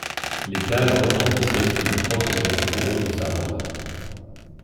Les dalles retentissaient sous les crosses et les fourreaux de sabres.